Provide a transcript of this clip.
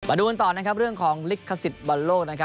มาดูกันต่อเรื่องของลิขสิทธิ์บรรโลก